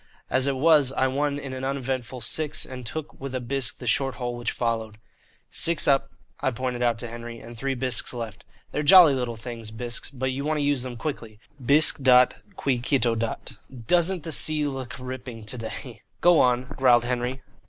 As it was I won in an uneventful six, and took with a bisque the short hole which followed. "Six up," I pointed out to Henry, "and three bisques left. They're jolly little things, bisques, but you want to use them quickly. Bisque dat qui cito dat. Doesn't the sea look ripping to day?" "Go on," growled Henry.